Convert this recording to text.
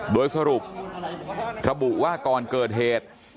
โดยสรุประบุว่าก่อนเกิดเหตุ